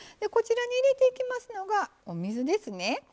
こちらに入れていきますのがお水ですね。